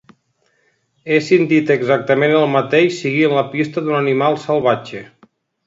He sentit exactament el mateix seguint la pista d'un animal salvatge